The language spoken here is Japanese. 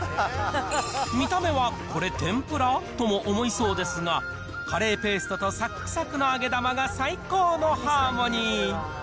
見た目はこれ天ぷら？とも思いそうですが、カレーペーストとさっくさくの揚げ玉が最高のハーモニー。